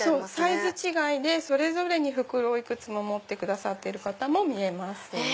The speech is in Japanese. サイズ違いでそれぞれに袋を持ってくださる方もみえます。